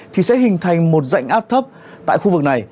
thì sẽ hình thành một dạnh áp thấp tại khu vực này